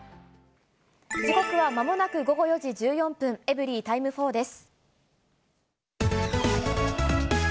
時刻はまもなく午後４時１４分、エブリィタイム４です。